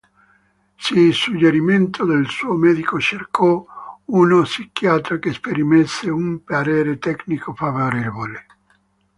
Su suggerimento del suo medico, cercò uno psichiatra che esprimesse un parere tecnico favorevole.